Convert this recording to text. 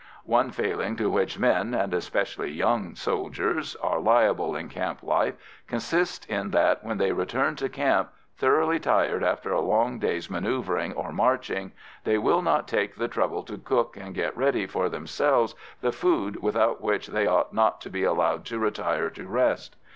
One failing to which men and especially young soldiers are liable in camp life consists in that when they return to camp, thoroughly tired after a long day's manœuvring or marching, they will not take the trouble to cook and get ready for themselves the food without which they ought not to be allowed to retire to rest.